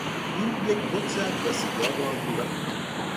او یک پک زد و سیگار را دور انداخت.